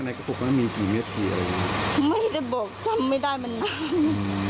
ในกระปุกนั้นมีกี่เมตรกี่อะไรอย่างนี้ไม่ได้บอกจำไม่ได้เป็นน้ำอืม